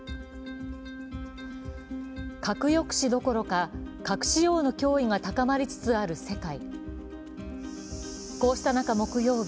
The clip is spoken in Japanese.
核抑止どころか核使用の脅威が高まりつつある世界。